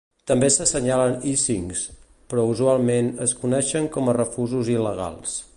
També s'assenyalen "icings", però usualment es coneixen com a refusos il·legals.